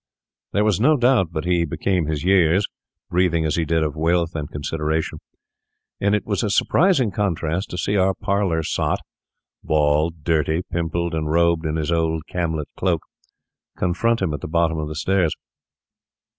There was no doubt but he became his years, breathing, as he did, of wealth and consideration; and it was a surprising contrast to see our parlour sot—bald, dirty, pimpled, and robed in his old camlet cloak—confront him at the bottom of the stairs.